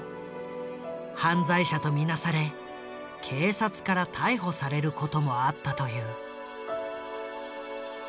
犯罪者と見なされ警察から逮捕されることもあったという。